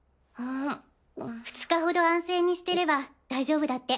二日ほど安静にしてれば大丈夫だって。